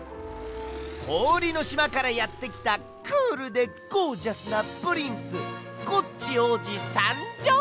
こおりのしまからやってきたクールでゴージャスなプリンスコッチおうじさんじょう！